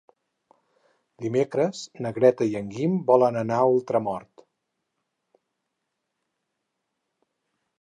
Dimecres na Greta i en Guim volen anar a Ultramort.